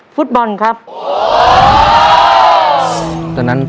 คุณฝนจากชายบรรยาย